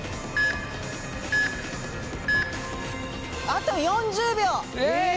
あと４０秒。